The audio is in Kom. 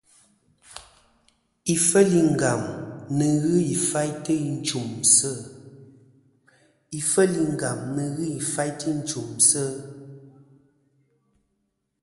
Ifel i Ngam nɨn ghɨ ifaytɨ i nchùmsɨ.